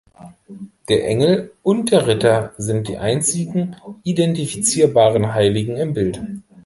Der Engel und der Ritter sind die einzigen identifizierbaren Heiligen im Bild.